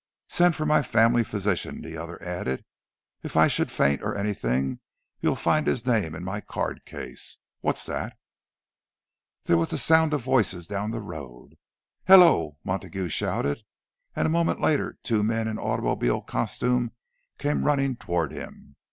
"Send for my family physician," the other added. "If I should faint, or anything, you'll find his name in my card case. What's that?" There was the sound of voices down the road. "Hello!" Montague shouted; and a moment later two men in automobile costume came running toward him.